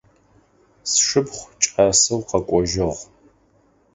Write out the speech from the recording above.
Сшыпхъу кӏасэу къэкӏожьыгъ.